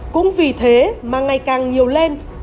cũng vì thế mà ngày càng nhiều lên